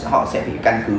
họ sẽ phải căn cứ